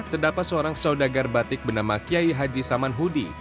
terdapat seorang saudagar batik bernama kiai haji saman hudhi